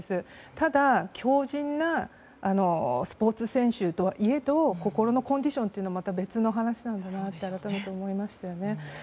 ただ、強靭なスポーツ選手とは言えど心のコンディションというのはまた別の話なんだなって改めて思いましたよね。